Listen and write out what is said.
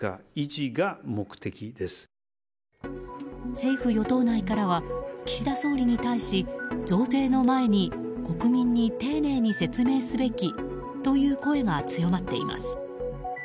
政府・与党内からは岸田総理に対し増税の前に国民に丁寧に説明すべきという声が強まっています。